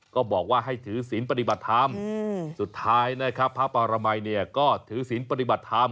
ก็บอกว่าให้ถือศีลปฏิบัติธรรมสุดท้ายนะครับพระปรมัยเนี่ยก็ถือศีลปฏิบัติธรรม